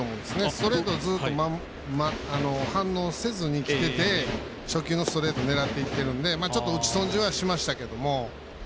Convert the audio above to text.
ストレートを反応せずにきてて初球のストレートを狙っていってるんでちょっと打ち損じはしましたけど。